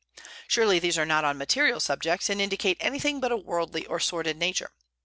Surely these are not on material subjects, and indicate anything but a worldly or sordid nature.